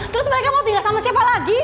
terus mereka mau tinggal sama siapa lagi